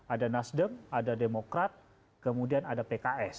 ada nasdem ada demokrat kemudian ada pks